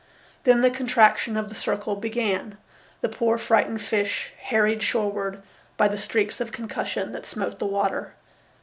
Then the contraction of the circle began, the poor frightened fish harried shoreward by the streaks of concussion that smote the water.